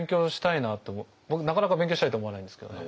僕なかなか勉強したいと思わないんですけどね